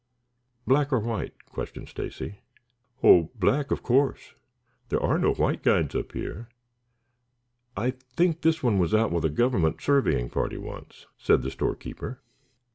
"Black or white?" questioned Stacy. "Oh, black, of course. There are no white guides up here. I think this one was out with a government surveying party once," said the store keeper.